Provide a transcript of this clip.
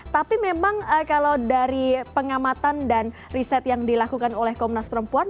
tapi memang kalau dari pengamatan dan riset yang dilakukan oleh komnas perempuan